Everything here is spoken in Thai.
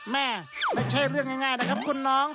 ไม่ใช่เรื่องง่ายนะครับคุณน้อง